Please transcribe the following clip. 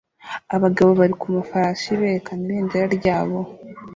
Abagabo bari ku mafarashi berekana ibendera ryabo